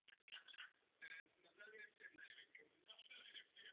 V té době zřejmě došlo i k rozšíření prvotního jména Hrádek na Nový Hrádek.